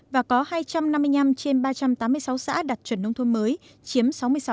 và có hai trăm năm mươi năm trên ba trăm tám mươi sáu xã đạt chuẩn nông thôn mới chiếm sáu mươi sáu